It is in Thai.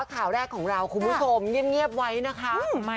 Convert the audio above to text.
ข่าวแรกของเราคุณผู้ชมเงียบไว้นะคะ